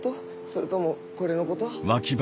それともこれのこと？